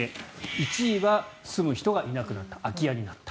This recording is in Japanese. １位は住む人がいなくなった空き家になった。